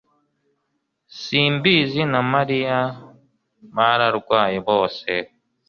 simbizi na mariya bararwayebose